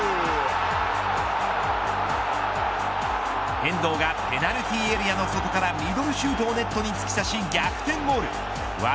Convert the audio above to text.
遠藤がペナルティーエリアの外からミドルシュートをネットに突き刺し逆転ゴール。